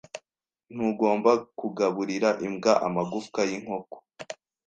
Ntugomba kugaburira imbwa amagufwa yinkoko.